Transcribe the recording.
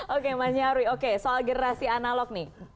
oke mas nyarwi oke soal generasi analog nih